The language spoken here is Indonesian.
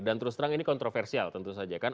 dan terus terang ini kontroversial tentu saja kan